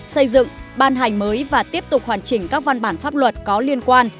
xây dựng ban hành mới và tiếp tục hoàn chỉnh các văn bản pháp luật có liên quan